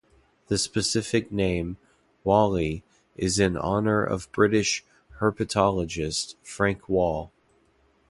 The specific name, "walli", is in honor of British herpetologist Frank Wall.